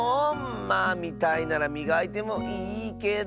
まあみたいならみがいてもいいけど。